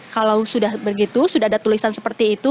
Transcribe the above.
kalau sudah begitu sudah ada tulisan seperti itu